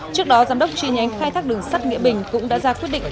trước đó giám đốc tri nhánh khai thác đường sắt nghĩa bình cũng đã ra quyết định